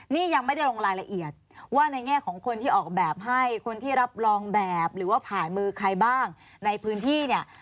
นี่ยังไม่ได้ลงรายละเอียดว่าในแง่ของคนที่ออกแบบให้คนที่รับรองแบบหรือว่าผ่านมือใครบ้างในพื้นที่เนี่ย